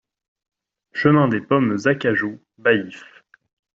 Chemin des Pommes Acajou, Baillif